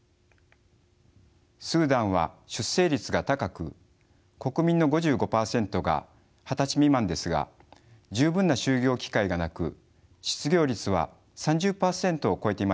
スーダンは出生率が高く国民の５５％が二十歳未満ですが十分な就業機会がなく失業率は３０％を超えていました。